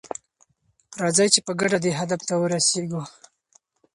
راځئ چې په ګډه دې هدف ته ورسیږو.